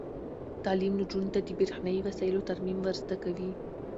تعلیم نجونو ته د برښنايي وسایلو ترمیم ور زده کوي.